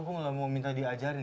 gue gak mau minta diajarin